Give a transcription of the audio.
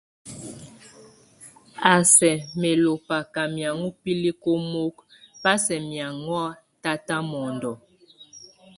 A si á mɛlobá ka miaŋo bilík omokok, bá sɛk miaŋóak táta mondo.